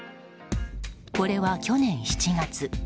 これは去年７月。